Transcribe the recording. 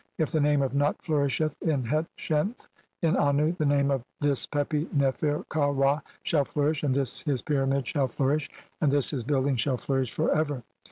If the name "of Nut flourisheth in Het Shenth in Annu, the name of "this Pepi Nefer ka Ra shall flourish, and this his "pyramid shall flourish, and this his building shall "flourish for ever.